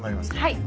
はい。